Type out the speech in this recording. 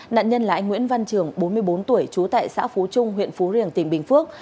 nạn nhân là anh nguyễn văn trường bốn mươi bốn tuổi trú tại xã phú trung huyện phú riềng tỉnh bình phước